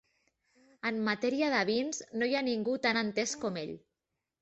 En matèria de vins, no hi ha ningú tan entès com ell.